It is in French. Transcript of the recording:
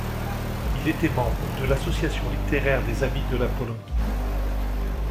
Il était membre de l'Association littéraire des Amis de la Pologne.